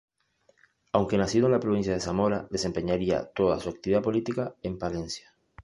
Aunque nacido en la provincia de Zamora, desempeñaría toda su actividad política en Palencia.